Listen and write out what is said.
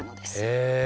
へえ。